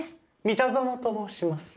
三田園と申します。